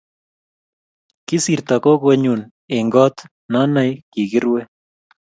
kisirto kukoe nyu Eng' koot naenae kikiruue